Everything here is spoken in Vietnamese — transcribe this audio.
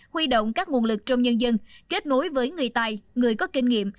huy động các nguồn lực trong nhân dân kết nối với người tài người có kinh nghiệm